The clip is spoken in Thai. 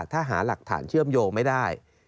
ถ้าหาหลักฐานเชื่อมโยงไม่ได้